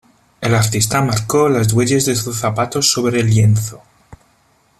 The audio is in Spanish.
El artista marcó las huellas de sus zapatos sobre el lienzo.